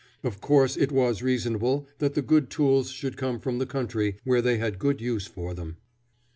Of course it was reasonable that the good tools should come from the country where they had good use for them.